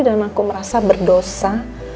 dan aku merasa berdosa